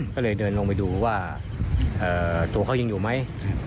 ก็เลยเดินลงไปดูว่าตัวเขายังอยู่ไหม